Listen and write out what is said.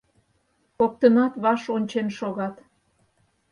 Коктынат ваш ончен шогат.